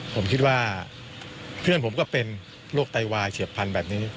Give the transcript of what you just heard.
ผมคิดว่าเพื่อนผมก็เป็นโรคไตวายเฉียบพันธุ์แบบนี้